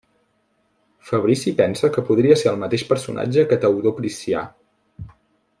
Fabrici pensa que podria ser el mateix personatge que Teodor Priscià.